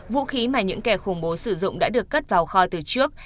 vũ khí mà những kẻ khủng bố sử dụng đã được cất vào kho từ trước